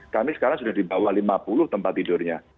kami sekarang sudah di bawah lima puluh tempat tidurnya